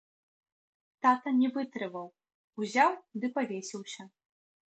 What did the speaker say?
Тата не вытрываў, узяў ды павесіўся.